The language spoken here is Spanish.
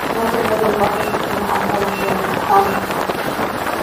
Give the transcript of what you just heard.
Son el primer y el cuarto edificio más alto de la ciudad de Hangzhou.